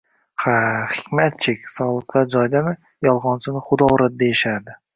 Ha, Hikmatchik, sogʻliklar joyidami? Yolgʻonchini Xudo uradi, deyishardi.